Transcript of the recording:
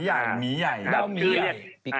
อ้าวหมีใหญ่ดาวหมีใหญ่